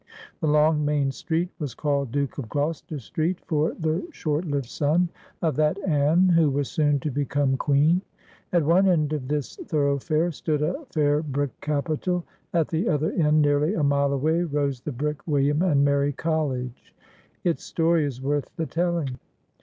The long main street was called Duke of Gloucester Street, for the short lived son of that Anne who was soon to become Queen. At one end of this thoroughfare stood a fair brick capitol. At the other end nearly a mile away rose the brick William and Mary College. Its story is worth the telling.